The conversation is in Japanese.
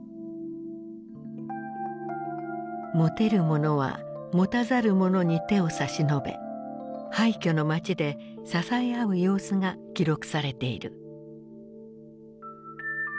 持てる者は持たざる者に手を差し伸べ廃虚の街で支え合う様子が記録されている。